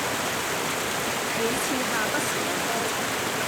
每次下筆時有多沉重